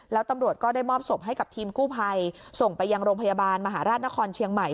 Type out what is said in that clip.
แล้วตำรวจก็ได้มอบศพให้กับทีมกู้ภัยส่งไปยังโรงพยาบาลมหาราชนครเชียงใหม่